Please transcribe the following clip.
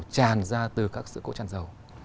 tràn ra từ các sự cố tràn dầu